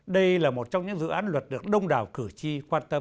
đây là một trong những dự án luật được đông đảo cử tri quan tâm